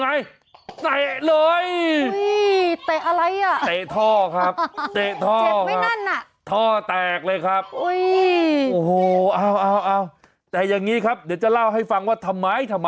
เนี่ยอาการอย่างนี้นะครับ